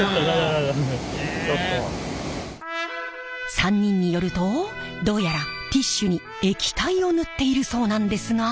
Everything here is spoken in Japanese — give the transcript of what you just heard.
３人によるとどうやらティッシュに液体を塗っているそうなんですが。